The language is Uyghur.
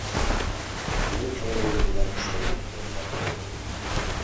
مەن كۆڭلۈمدە «بۇلار پۇشايمان قىلدى» دەپ ئويلىدىم.